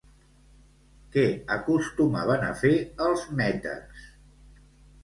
Què acostumaven a fer els metecs?